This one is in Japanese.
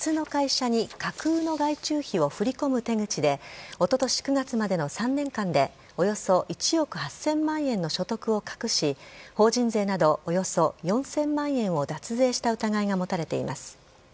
竹田氏らは下請け会社の社員らに設立させた別の会社に架空の外注費を振り込む手口で、おととし９月までの３年間で、およそ１億８０００万円の所得を隠し、法人税などおよそ４０００万円を脱税した疑いが持たれています。